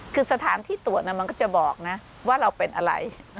คือสถานที่ตรวจมันก็จะบอกนะว่าเราเป็นอะไร